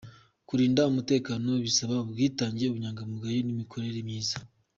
Kurinda umutekano bisaba ubwitange, ubunyangamugayo n’imikorere myiza.